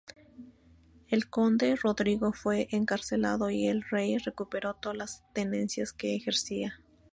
El conde Rodrigo fue encarcelado y el rey recuperó todas las tenencias que ejercía.